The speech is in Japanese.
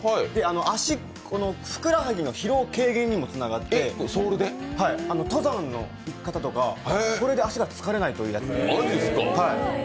足、ふくらはぎの疲労軽減にもつながって登山の方とか、これで足が疲れないというやつなんです。